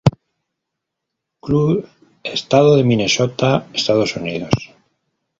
Cloud, estado de Minnesota, Estados Unidos.